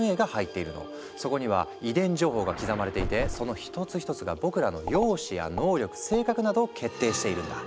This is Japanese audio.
そこには遺伝情報が刻まれていてその１つ１つが僕らの容姿や能力性格などを決定しているんだ。